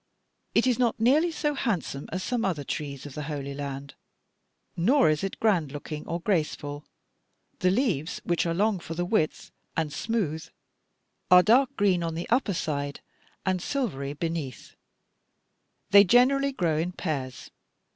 It is not nearly so handsome as some other trees of the Holy Land, nor is it grand looking or graceful. The leaves, which are long for the width, and smooth, are dark green on the upper side and silvery beneath; they generally grow in pairs.